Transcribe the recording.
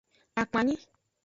Akpanyi.